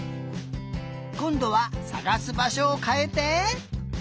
こんどはさがすばしょをかえて。